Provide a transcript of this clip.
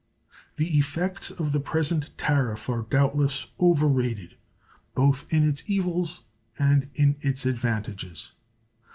The effects of the present tariff are doubtless over rated, both in its evils and in its advantages.